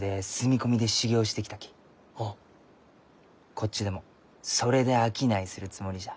こっちでもそれで商いするつもりじゃ。